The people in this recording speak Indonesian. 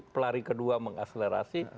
pelari kedua mengakselerasi